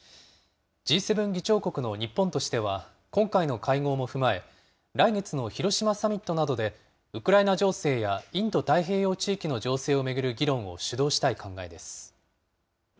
Ｇ７議長国の日本としては、今回の会合も踏まえ、来月の広島サミットなどで、ウクライナ情勢やインド太平洋地域の情勢を巡る議論を主導したい考えです。